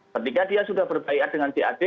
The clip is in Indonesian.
ketika dia sudah berbaikat dengan jad